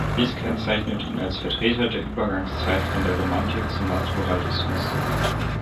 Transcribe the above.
Dies kennzeichnet ihn als Vertreter der Übergangszeit von der Romantik zum Naturalismus.